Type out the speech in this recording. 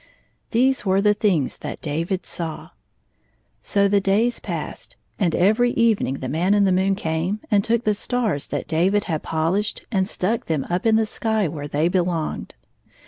These were the things that David saw. So the days passed, and every evening the Man in the moon came and took the stars that David had polished and stuck them up in the sky where they belonged.